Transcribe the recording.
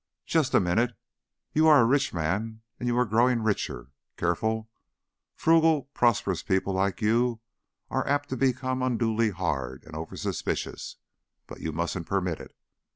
"Just a minute. You are a rich man and you are growing richer. Careful, frugal, prosperous people like you are apt to become unduly hard and oversuspicious; but you mustn't permit it.